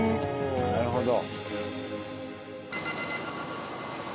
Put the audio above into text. なるほど。